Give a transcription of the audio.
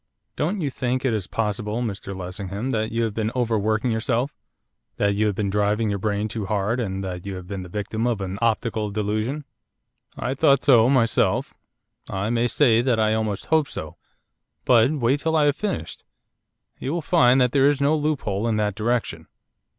'Don't you think it is possible, Mr Lessingham, that you have been overworking yourself that you have been driving your brain too hard, and that you have been the victim of an optical delusion?' 'I thought so myself; I may say that I almost hoped so. But wait till I have finished. You will find that there is no loophole in that direction.